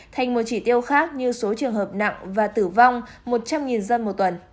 thành một chỉ tiêu khác như số trường hợp nặng và tử vong một trăm linh dân một tuần